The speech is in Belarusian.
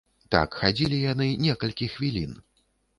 Так хадзілі яны некалькі хвілін.